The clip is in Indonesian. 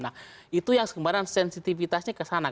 nah itu yang kemarin sensitivitasnya kesana